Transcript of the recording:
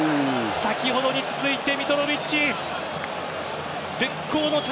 先ほどに続いて、ミトロヴィッチ。